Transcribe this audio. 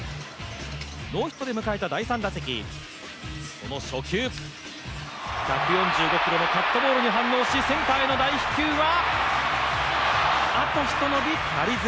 ノーヒットで迎えた第３打席、その初球１４５キロのカットボールに反応しセンターへの大飛球は、あとひと伸び足りず。